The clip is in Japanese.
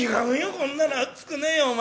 こんなの熱くねえよお前。